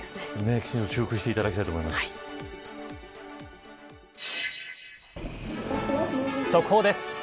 きちんと修復していただきたいと速報です。